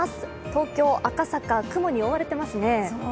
東京・赤坂、雲に覆われていますね。